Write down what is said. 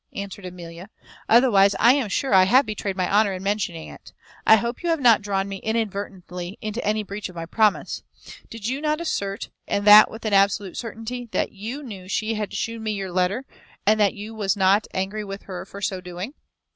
answered Amelia; "otherwise I am sure I have betrayed my honour in mentioning it. I hope you have not drawn me inadvertently into any breach of my promise. Did you not assert, and that with an absolute certainty, that you knew she had shewn me your letter, and that you was not angry with her for so doing?"